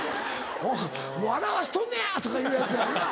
笑わしとんねや！とか言うやつやよな。